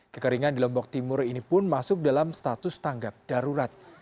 kekeringan di lombok timur ini pun masuk dalam status tanggap darurat